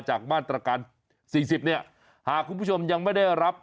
จากมาตรการ๔๐เนี่ยหากคุณผู้ชมยังไม่ได้รับ